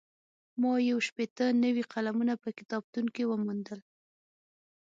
ما یو شپېته نوي قلمونه په کتابتون کې وموندل.